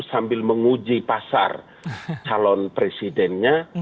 sambil menguji pasar calon presidennya